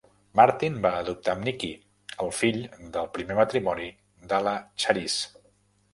Martin va adoptar en Nicky, el fill del primer matrimoni de la Charisse.